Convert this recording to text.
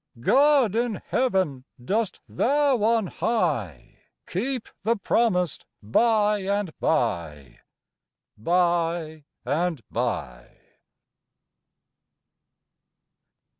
God in Heaven! dost Thou on high, Keep the promised by and by by and by?